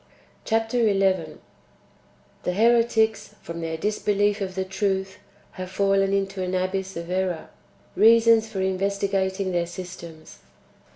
Chap. xi. — The heretics, from their disbelief of the truth, have fallen into an abyss of error : reasons for investigating their systems, 1.